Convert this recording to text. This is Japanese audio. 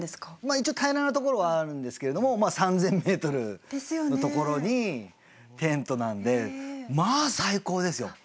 一応平らな所はあるんですけれども３，０００ｍの所にテントなんでまあ最高ですよ。